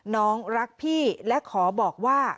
น้องรักพี่และขอบอกว่า